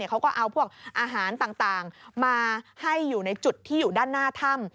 เขาก็เอาพวกอาหารต่างมาให้อยู่ในจุดที่อยู่ด้านหน้าถ้ำ